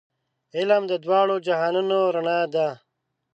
علم د دواړو جهانونو رڼا ده.